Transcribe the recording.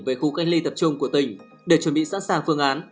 về khu cách ly tập trung của tỉnh để chuẩn bị sẵn sàng phương án